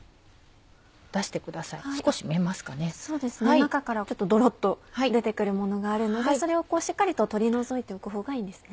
中からドロっと出て来るものがあるのでそれをしっかりと取り除いておくほうがいいんですね。